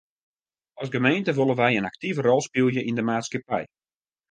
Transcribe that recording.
As gemeente wolle wy in aktive rol spylje yn de maatskippij.